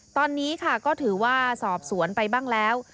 ตอนนี้ค่ะก็ถือว่าสอบสวนไปบ้างแล้ว